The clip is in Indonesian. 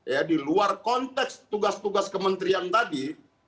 ya di luar konteks tugas tugas kementerian tadi